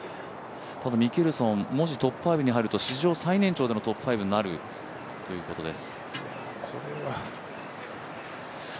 ただ、ミケルソン、もしトップ５に入ると史上最年長でのトップ５になるということです。